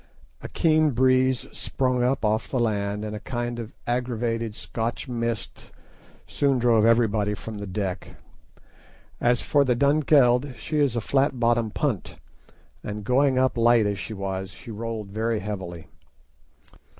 A keen breeze sprung up off land, and a kind of aggravated Scotch mist soon drove everybody from the deck. As for the Dunkeld, she is a flat bottomed punt, and going up light as she was, she rolled very heavily.